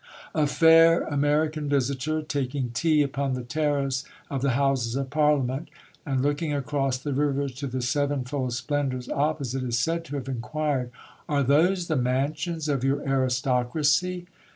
A fair American visitor, taking tea upon the terrace of the Houses of Parliament, and looking across the river to the sevenfold splendours opposite, is said to have inquired, "Are those the mansions of your aristocracy?"